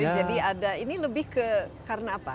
jadi ini lebih ke karena apa